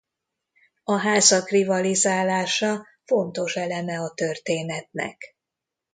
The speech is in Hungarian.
A házak rivalizálása fontos eleme a történetnek.